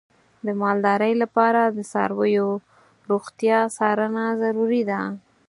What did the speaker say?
د مالدارۍ لپاره د څارویو روغتیا څارنه ضروري ده.